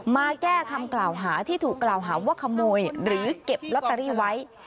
มาแก้คำกล่าวหาที่ถูกกล่าวหาว่าขโมยหรือเก็บลอตเตอรี่ไว้